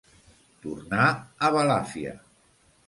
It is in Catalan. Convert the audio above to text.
Tornar a Balàfia.